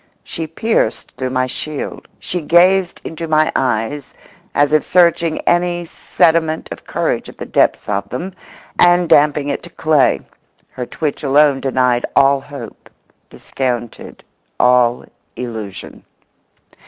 She pierced through my shield; she gazed into my eyes as if searching any sediment of courage at the depths of them and damping it to clay. Her twitch alone denied all hope, discounted all illusion.